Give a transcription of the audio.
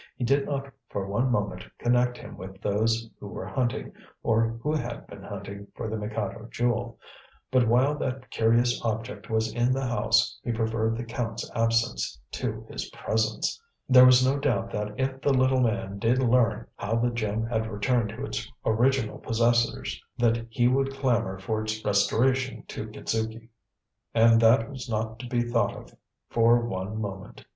He did not for one moment connect him with those who were hunting, or who had been hunting for the Mikado Jewel; but while that curious object was in the house he preferred the Count's absence to his presence. There was no doubt that if the little man did learn how the gem had returned to its original possessors, that he would clamour for its restoration to Kitzuki. And that was not to be thought of for one moment.